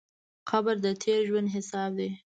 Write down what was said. قبر د تېر ژوند حساب دی.